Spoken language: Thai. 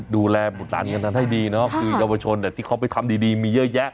ดูแลบุตรกันให้ดีเนอะคือเยาวชนเนี่ยที่เขาไปทำดีดีมีเยอะแยะ